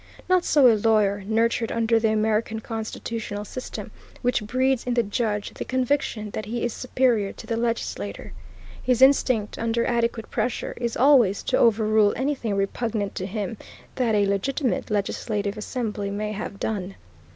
Not so a lawyer nurtured under the American constitutional system, which breeds in the judge the conviction that he is superior to the legislator. His instinct, under adequate pressure, is always to overrule anything repugnant to him that a legitimate legislative assembly may have done.